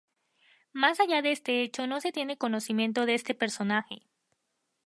Más allá de este hecho no se tiene conocimiento de este personaje.